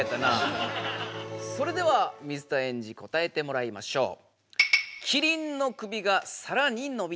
それでは水田エンジ答えてもらいましょう！